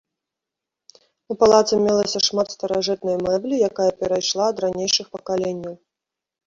У палацы мелася шмат старажытнай мэблі, якая перайшла ад ранейшых пакаленняў.